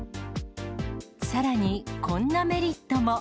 さらに、こんなメリットも。